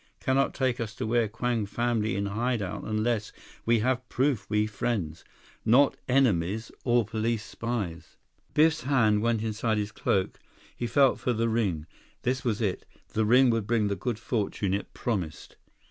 Cannot take us to where Kwang family in hide out unless we have proof we friends, not enemies, or police spies." 139 Biff's hand went inside his cloak. He felt for the ring. This was it. The ring would bring the good fortune it promised.